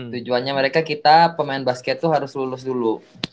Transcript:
tujuannya mereka kita pemain basket tuh harus lulus dulu